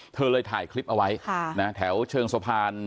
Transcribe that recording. เธอเลยถ่ายคลิปเอาไว้แถวเชิงสะพาน